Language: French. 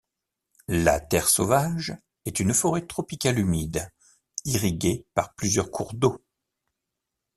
La Terre sauvage est une forêt tropicale humide irriguée par plusieurs cours d’eau.